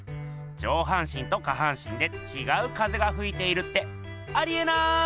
上半身と下半身でちがう風がふいているってありえない！